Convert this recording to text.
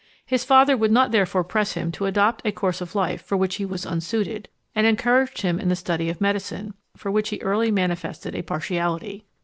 His father would not therefore press him to adopt a course of life for which he was unsuited, and encouraged him in the study of medicine, for which he early manifested a partiality.